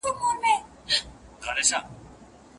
که ځیرکتیا وي نو بریا یقیني ده.